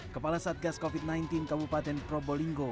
kepala satgas covid sembilan belas kabupaten probolinggo